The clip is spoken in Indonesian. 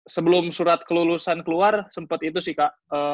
sebelum surat kelulusan keluar sempat itu sih kak